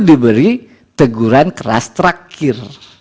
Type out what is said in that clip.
diberi teguran keras terakhir